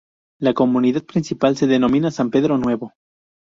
La comunidad principal se denomina San Pedro Nuevo.